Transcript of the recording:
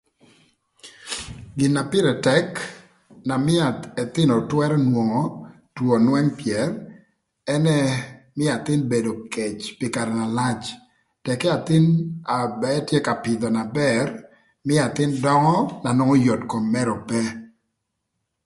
Gina pïrë tëk na mïö ëthïnö twërö nwongo two önwëng pyër ënë mïö athïn bedo kec pï karë na lac tëkï athïn a ba etye ka pïdhö na bër mïö athïn döngö na nwongo yot kom mërë ope.